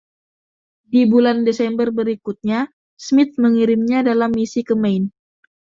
Di bulan Desember berikutnya, Smith mengirimnya dalam misi ke Maine.